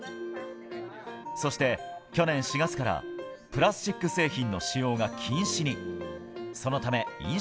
そして、去年４月からプラスチック製品の使用が禁止に。